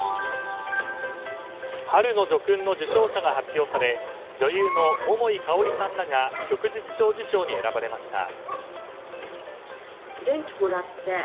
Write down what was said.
春の叙勲の受章者が発表され女優の桃井かおりさんらが旭日小綬章に選ばれました。